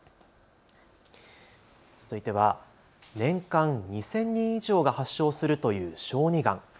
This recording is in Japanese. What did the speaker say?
続いては年間２０００人以上が発症するという小児がん。